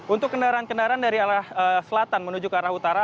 untuk kendaraan kendaraan dari arah selatan menuju ke arah utara